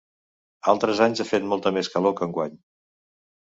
Altres anys ha fet molta més calor que enguany.